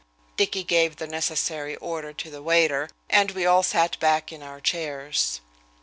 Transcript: Dicky gave the necessary order to the waiter, and we all sat back in our chairs.